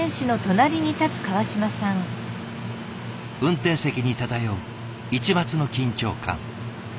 運転席に漂う一抹の緊張感。